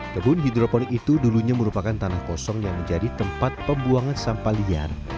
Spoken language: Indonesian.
kebun hidroponik itu dulunya merupakan tanah kosong yang menjadi tempat pembuangan sampah liar